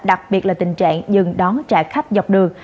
đặc biệt là tình trạng dừng đón trả khách dọc đường